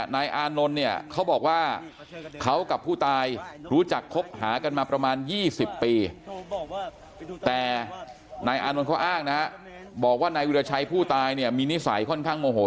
นายอานนท์เนี่ยเขาบอกว่าเขากับผู้ตายรู้จักคบหากันมาประมาณ๒๐ปีแต่นายอานนท์เขาอ้างนะบอกว่านายวิราชัยผู้ตายเนี่ยมีนิสัยค่อนข้างโมโห